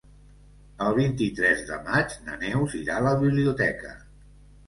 El vint-i-tres de maig na Neus irà a la biblioteca.